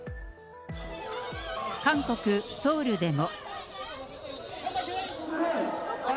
韓国・ソウルでも。